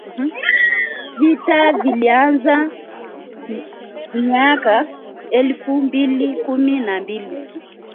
Vita vilianza mwaka elfu mbili kumi na mbili